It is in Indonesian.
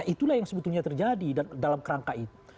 itulah yang sebetulnya terjadi dalam kerangka itu